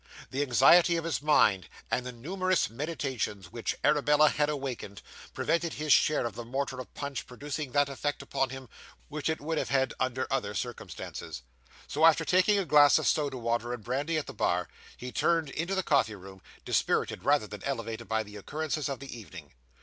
The anxiety of his mind, and the numerous meditations which Arabella had awakened, prevented his share of the mortar of punch producing that effect upon him which it would have had under other circumstances. So, after taking a glass of soda water and brandy at the bar, he turned into the coffee room, dispirited rather than elevated by the occurrences of the evening.